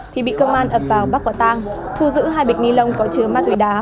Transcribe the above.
thì bị công an ập vào bắt quả tang thu giữ hai bịch nilon có chứa ma túy đá